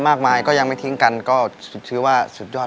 อยากบอกท่าใครก็เห็น